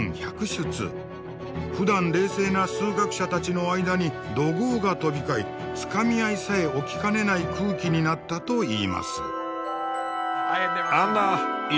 ふだん冷静な数学者たちの間に怒号が飛び交いつかみ合いさえ起きかねない空気になったといいます。